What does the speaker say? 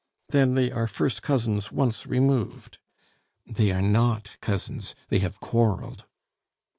"Then they are first cousins once removed " "They are 'not cousins.' They have quarreled."